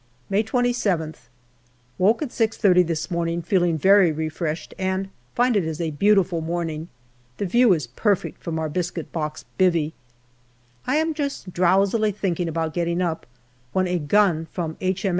MAY 105 May 27th. Woke at 6.30 this morning, feeling very refreshed, and find it is a beautiful morning. The view is perfect from our biscuit box " bivvy/' I am just drowsily thinking about getting up, when a gun from H.